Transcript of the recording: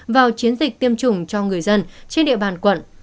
vào chiến dịch tiêm chủng cho người dân trên địa bàn quận